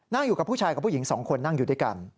อยู่กับผู้ชายกับผู้หญิง๒คนนั่งอยู่ด้วยกัน